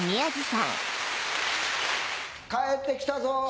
帰ってきたぞ。